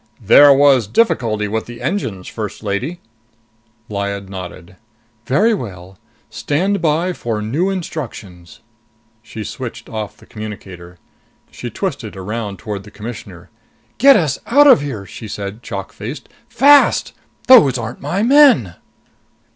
"There was a difficulty with the engines, First Lady." Lyad nodded. "Very well. Stand by for new instructions." She switched off the communicator. She twisted around toward the Commissioner. "Get us out of here!" she said, chalk faced. "Fast! Those aren't my men."